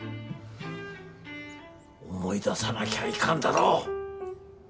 思い出さなきゃいかんだろ！